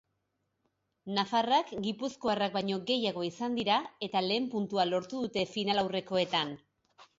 Nafarrak gipuzkoarrak baino gehiago izan dira eta lehen puntua lortu dute finalaurrekoetan.